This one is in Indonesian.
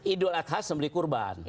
idul adhash sembeli kurban